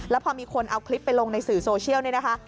แล้วพอมีคนเอาคลิปไปลงในสื่อโซเชียลเนี่ยนะคะ